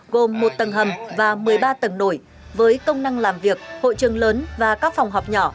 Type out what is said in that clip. gồm một tầng hầm và một mươi ba tầng nổi với công năng làm việc hội trường lớn và các phòng họp nhỏ